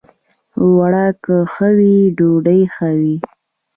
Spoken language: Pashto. اوړه که ښه وي، ډوډۍ ښه وي